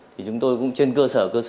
thì chúng tôi cũng trên cơ sở của chúng tôi